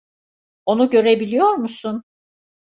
Onu görebiliyor musun?